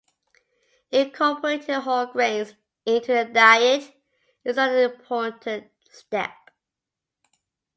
Incorporating whole grains into the diet is another important step.